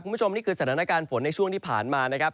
คุณผู้ชมนี่คือสถานการณ์ฝนในช่วงที่ผ่านมานะครับ